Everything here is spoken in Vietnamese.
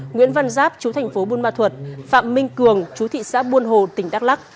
nguyễn văn giáp chú thành phố buôn ma thuật phạm minh cường chú thị xã buôn hồ tỉnh đắk lắc